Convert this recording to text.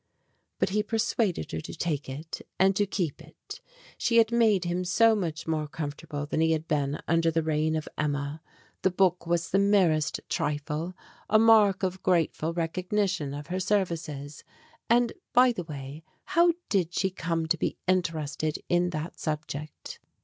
But he persuaded her to take it and to keep it. She had made him so much more comfortable than he had been under the reign of Emma. The book was the 12 STORIES WITHOUT TEARS merest trifle a mark of grateful recognition of her services. And, by the way, how did she come to be interested in that subject?